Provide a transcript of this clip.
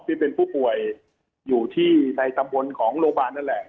ซึ่งเป็นผู้ป่วยอยู่ที่ในตำบลของโรงพยาบาลนั่นแหละ